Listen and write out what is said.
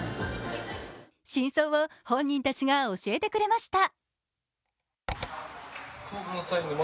真相を本人たちが教えてくれました。